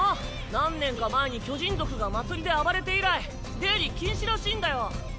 何年か前に巨人族が祭りで暴れて以来出入り禁止らしいんだよ。